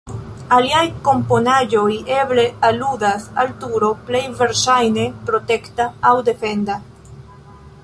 Aliaj komponaĵoj eble aludas al turo, plej verŝajne protekta aŭ defenda.